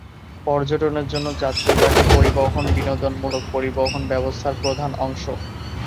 পর্যটনের জন্য যাত্রীবাহী পরিবহন বিনোদনমূলক পরিবহন ব্যবস্থার প্রধান অংশ।